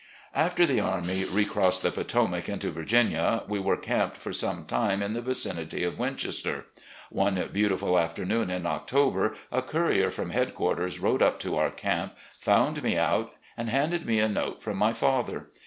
After the army recrossed the Potomac into Virginia, we were camped for some time in the vicinity of Win chester. One beautiful afternoon in October, a courier from headquarters rode up to our camp, found me out, and handed me a note from my father.